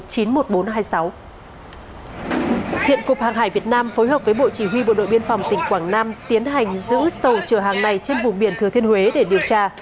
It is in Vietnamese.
hiện cục hàng hải việt nam phối hợp với bộ chỉ huy bộ đội biên phòng tỉnh quảng nam tiến hành giữ tàu chở hàng này trên vùng biển thừa thiên huế để điều tra